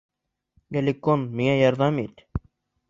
Геликон, миңә ярҙам ит.